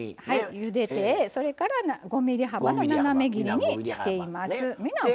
ゆでてそれから５ｍｍ幅の斜め切りにしています。